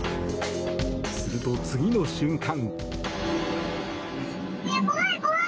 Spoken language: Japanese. すると、次の瞬間。